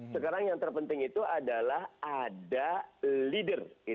sekarang yang terpenting itu adalah ada leader